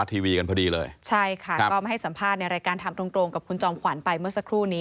ถ้าว่าเราได้เงินมาละเราจะเอาเงินตรงเนี่ยไปทำอะไร